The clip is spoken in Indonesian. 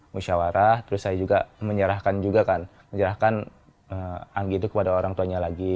musyawarah terus saya juga menyerahkan juga kan menyerahkan anggi itu kepada orang tuanya lagi